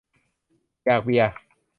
อยากเบียร์